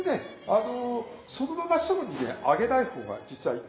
あのそのまますぐにね揚げない方が実はいいんです。